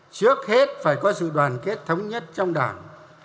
trước hết phải có sự đoàn kết thống nhất trong đảng